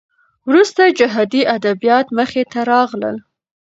وروسته جهادي ادبیات مخې ته راغلل.